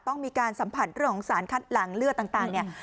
ต้องมีการสัมผัสเรื่องของสารคัดหลังเลือดต่างเนี่ย